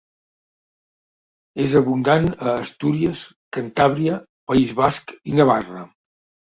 És abundant a Astúries, Cantàbria, País Basc i Navarra.